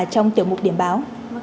trong tiểu mục điểm báo